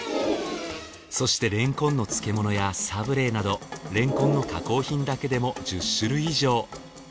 そしてれんこんの漬物やサブレーなどれんこんの加工品だけでも１０種類以上。